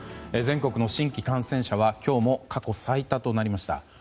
全国の新規感染者は今日も過去最多となりました。